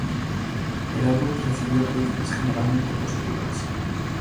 El álbum recibió críticas generalmente positivas.